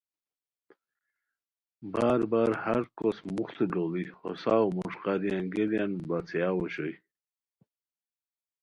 بار بار ہر کوس موختو لوڑی ہو ساؤ مݰقاری انگیالیان بڑاڅھیاؤ اوشوئے